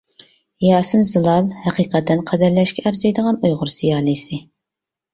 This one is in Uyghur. ياسىن زىلال ھەقىقەتەن قەدىرلەشكە ئەرزىيدىغان ئۇيغۇر زىيالىيسى.